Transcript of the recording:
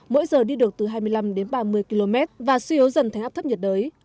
mỗi giờ đi được từ hai mươi năm đến ba mươi km và suy yếu dần thành áp thấp nhiệt đới